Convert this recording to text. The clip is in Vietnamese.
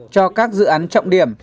cho các dự án trọng điểm